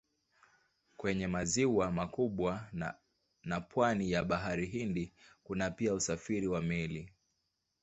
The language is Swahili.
Kwenye maziwa makubwa na pwani ya Bahari Hindi kuna pia usafiri wa meli.